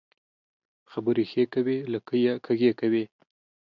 خبري ښې کوې ، لکۍ يې کږۍ کوې.